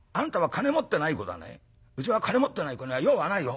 うちは金持ってない子には用はないよ。